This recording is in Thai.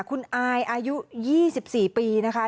คุณอายอายุ๒๔ปีแป๊ย